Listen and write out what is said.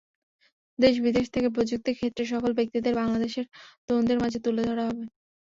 দেশ-বিদেশ থেকে প্রযুক্তি ক্ষেত্রে সফল ব্যক্তিদের বাংলাদেশের তরুণদের মাঝে তুলে ধরা হবে।